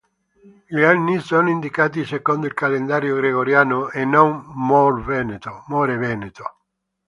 Gli anni sono indicati secondo il calendario gregoriano e non "more veneto".